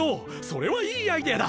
それはいいアイデアだ。